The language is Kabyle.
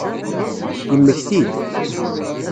Yemmekti-d.